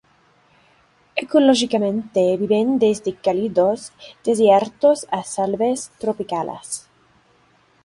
Ecológicamente viven desde cálidos desiertos a selvas tropicales.